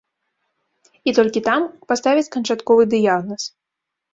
І толькі там паставяць канчатковы дыягназ.